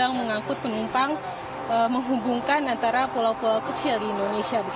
yang mengangkut penumpang menghubungkan antara pulau pulau kecil di indonesia